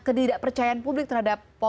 kedidakpercayaan publik terhadap